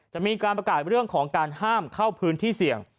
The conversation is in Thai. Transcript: จะมีการประกาศเรื่องของการห้ามเข้าพื้นที่เสี่ยง